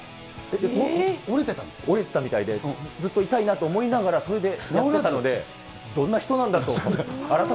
折れてたみたいで、ずっと痛いなと思いながら、それで投げてたので、どんな人だったんだろう